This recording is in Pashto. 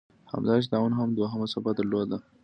همداسې طاعون هم دوهمه څپه درلوده.